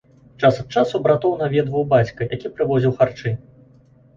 Час ад часу братоў наведваў бацька, які прывозіў харчы.